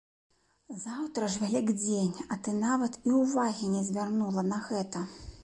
Заўтра ж вялікдзень, а ты нават і ўвагі не звярнула на гэта.